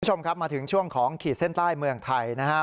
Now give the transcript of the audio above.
คุณผู้ชมครับมาถึงช่วงของขีดเส้นใต้เมืองไทยนะฮะ